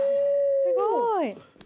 すごい！